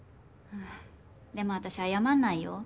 でも私謝んないよ。